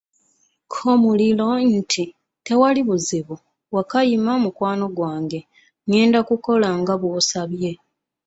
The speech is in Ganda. K'omuliro nti, tewali buzibu, Wakayima, mukwano gwange ngenda kukola nga bw'osabye.